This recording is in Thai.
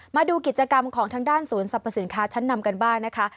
มาดูกิจกรรมของทางด้านศูนย์สรรพสินค้าชั้นนำกันบ้างนะคะ